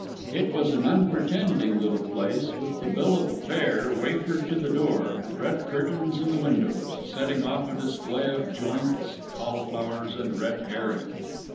It was an unpretending little place, with the bill of fare wafered to the door, and red curtains in the windows, setting off a display of joints, cauliflowers, and red herrings.